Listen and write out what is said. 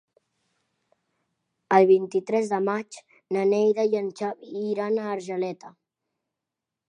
El vint-i-tres de maig na Neida i en Xavi iran a Argeleta.